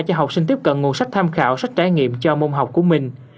cho học sinh tiếp cận nguồn sách tham khảo sách trải nghiệm cho môn học của mình